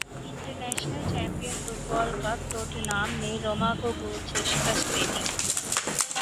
international champion football cup Tottenham نے Roma کو گول سے شکست دے دی